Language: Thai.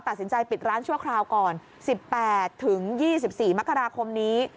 ตัดสินใจปิดร้านชั่วคราวก่อน๑๘ถึง๒๔มกราคมนี้